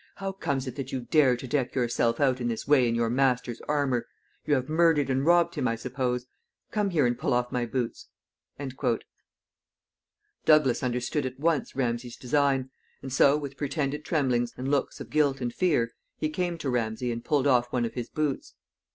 How comes it that you dare to deck yourself out in this way in your master's armor? You have murdered and robbed him, I suppose. Come here and pull off my boots." Douglas understood at once Ramsay's design, and so, with pretended tremblings, and looks of guilt and fear, he came to Ramsay and pulled off one of his boots.